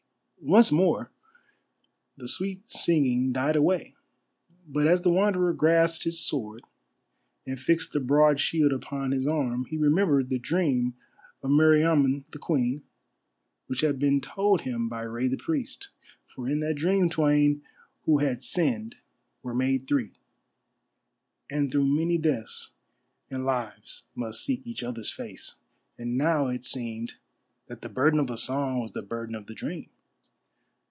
Once more the sweet singing died away, but as the Wanderer grasped his sword and fixed the broad shield upon his arm he remembered the dream of Meriamun the Queen, which had been told him by Rei the Priest. For in that dream twain who had sinned were made three, and through many deaths and lives must seek each other's face. And now it seemed that the burden of the song was the burden of the dream.